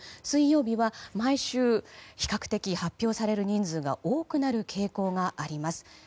水曜日は、毎週比較的発表される人数が多くなる傾向があります。